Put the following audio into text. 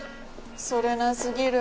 それな過ぎる。